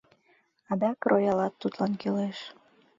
— Адак роялат тудлан кӱлеш.